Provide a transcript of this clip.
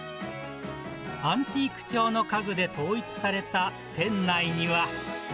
アンティーク調の家具で統一された店内には。